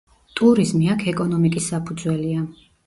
ტურიზმი აქ ეკონომიკის საფუძველია.